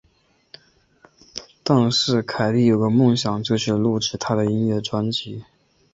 但是凯蒂有个梦想就是录制她的音乐专辑。